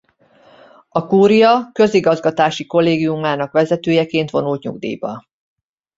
A Kúria Közigazgatási Kollégiumának vezetőjeként vonult nyugdíjba.